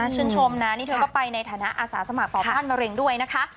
นะช่งชมนะนี่เธอก็ไปในฐานะอาสาสมัครปอกป้อนแมรงด้วยนะคะ